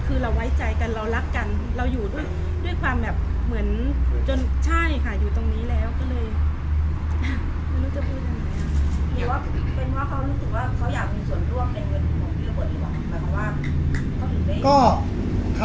คือเราไว้ใจกันเรารักกันเราอยู่ด้วยด้วยความแบบเหมือนจนใช่ค่ะ